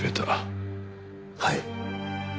はい。